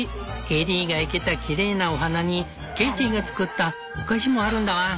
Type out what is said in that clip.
エリーが生けたきれいなお花にケイティが作ったお菓子もあるんだワン！